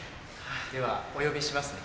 ではお呼びしますね。